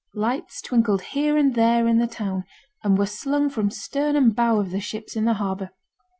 Lights twinkled here and there in the town, and were slung from stern and bow of the ships in the harbour.